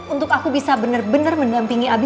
untuk aku bisa bener bener menampingi abi